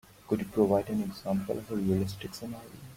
Could you provide an example of a realistic scenario?